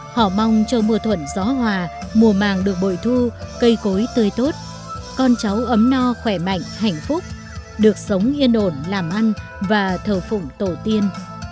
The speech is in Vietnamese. họ mong cho mùa thuận gió hòa mùa màng được bội thu cây cối tươi tốt con cháu ấm no khỏe mạnh hạnh phúc được sống yên ổn làm ăn và thở phụng tổ tiên